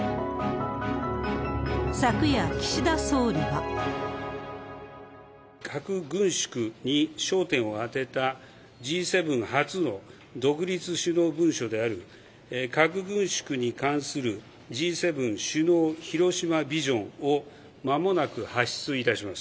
昨夜、岸田総理は。核軍縮に焦点を当てたＧ７初の独立首脳文書である、核軍縮に関するＧ７首脳広島ビジョンを、まもなく発出いたします。